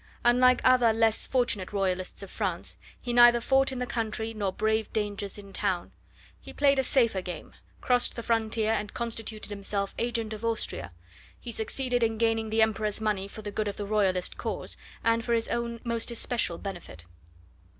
Unlike other less fortunate Royalists of France, he neither fought in the country nor braved dangers in town. He played a safer game crossed the frontier and constituted himself agent of Austria; he succeeded in gaining the Emperor's money for the good of the Royalist cause, and for his own most especial benefit.